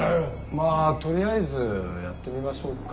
まあ取りあえずやってみましょうか。